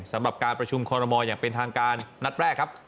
สำหรับการประชุมคอรมอลอย่างเป็นทางการนัดแรกครับ